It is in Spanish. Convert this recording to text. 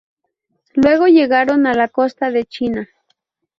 Luego llegaron a la costa de China.